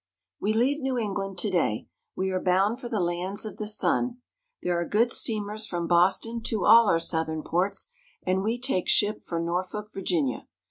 WE leave New England to day. We are bound for the lands of the sun. There are good steamers from Boston to all our southern ports, and we take ship for Norfolk, Virginia.